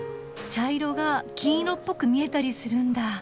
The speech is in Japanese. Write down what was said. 茶色が金色っぽく見えたりするんだ。